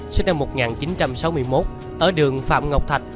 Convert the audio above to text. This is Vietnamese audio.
sinh năm một nghìn chín trăm sáu mươi một ở đường phạm ngọc thạch